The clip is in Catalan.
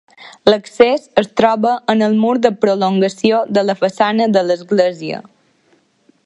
L'accés es troba en el mur de prolongació de la façana de l'església.